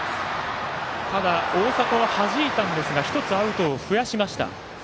ただ、大迫ははじいたんですが１つアウトを増やしました。